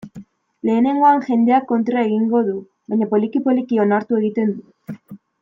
Lehenengoan, jendeak kontra egingo du, baina, poliki-poliki, onartu egiten du.